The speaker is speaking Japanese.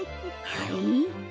はい？